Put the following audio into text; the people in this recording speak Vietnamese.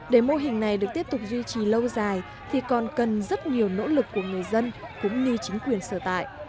để mô hình này được tiếp tục duy trì lâu dài thì còn cần rất nhiều nỗ lực của người dân cũng như chính quyền sở tại